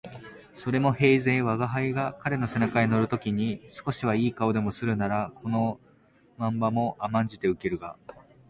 それも平生吾輩が彼の背中へ乗る時に少しは好い顔でもするならこの漫罵も甘んじて受けるが、